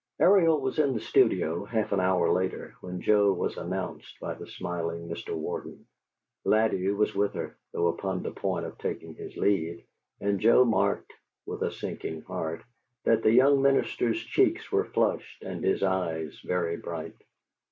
Ariel was in the studio, half an hour later, when Joe was announced by the smiling Mr. Warden. Ladew was with her, though upon the point of taking his leave, and Joe marked (with a sinking heart) that the young minister's cheeks were flushed and his eyes very bright.